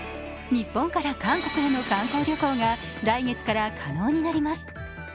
日本から韓国への海外旅行が来月から可能になります。